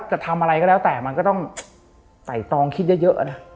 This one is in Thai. จะทำอะไรก็แล้วแต่มันก็ต้องไต่ตองคิดเยอะนะ